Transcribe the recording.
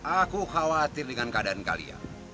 aku khawatir dengan keadaan kalian